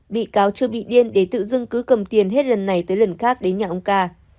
bị cáo chưa bị điên để tự dưng cứ cầm tiền hết lần này tới lần khác đến nhà ông ca